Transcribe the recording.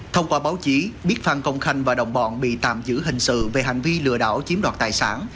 thông qua báo chí biết phan công khanh và đồng bọn bị tạm giữ hình sự về hành vi lừa đảo chiếm đoạt tài sản